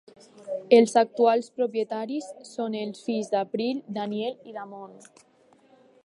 Els actuals propietaris són els fills d' April, Danielle i Damon.